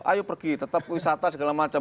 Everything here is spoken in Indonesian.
ayo pergi tetap wisata segala macam